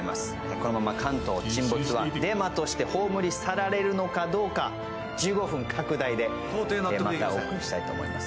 このまま関東沈没はデマとして葬り去られるのかどうか、１５分拡大でお送りしたいと思います。